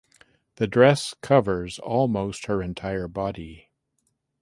The dress covers almost her entire body.